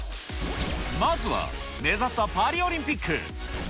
まずは目指すはパリオリンピック。